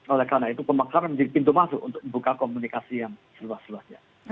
oleh karena itu pemakaran menjadi pintu masuk untuk membuka komunikasi yang luas luas